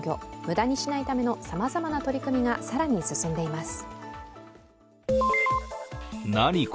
無駄にしないためのさまざまな取り組みが更に進んでいます。